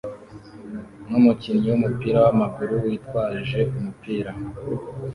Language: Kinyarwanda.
n'umukinnyi w'umupira w'amaguru witwaje umupira